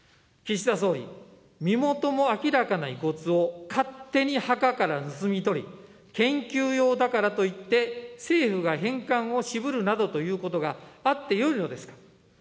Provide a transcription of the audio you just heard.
岸田総理、身元も明らかな遺骨を勝手に墓から盗み取り、研究用だからといって政府が返還を渋るなどということがあってよいのですか。